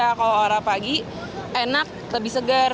ya kalau olahraga pagi enak lebih segar